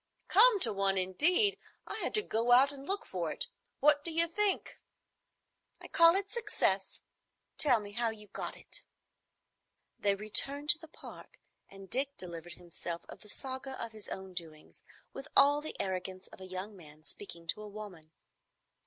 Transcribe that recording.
"Come to one, indeed! I had to go out and look for it. What do you think?" "I call it success. Tell me how you got it." They returned to the Park, and Dick delivered himself of the saga of his own doings, with all the arrogance of a young man speaking to a woman.